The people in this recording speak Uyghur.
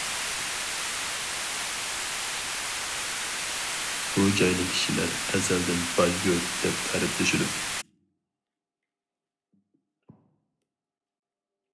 بۇ جاينى كىشىلەر ئەزەلدىن باي يۇرت دەپ تەرىپلىشىدۇ.